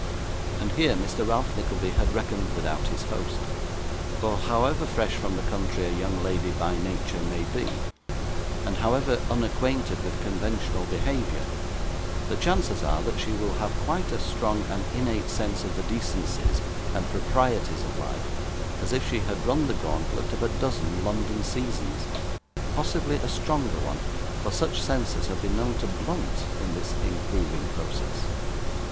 And here Mr. Ralph Nickleby had reckoned without his host; for however fresh from the country a young lady (by nature) may be, and however unacquainted with conventional behaviour, the chances are, that she will have quite as strong an innate sense of the decencies and proprieties of life as if she had run the gauntlet of a dozen London seasons possibly a stronger one, for such senses have been known to blunt in this improving process.